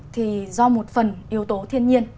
thì do một phần yếu tố thiên nhiên